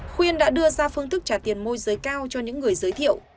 khuyên đã đưa ra phương thức trả tiền môi giới cao cho những người giới thiệu